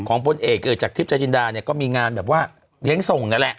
พลเอกเกิดจากทิพย์ชายจินดาเนี่ยก็มีงานแบบว่าเลี้ยงส่งนั่นแหละ